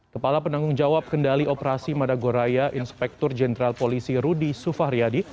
kepala penanggung jawab kendali operasi madagoraya inspektur jenderal polisi rudy sufahriyadi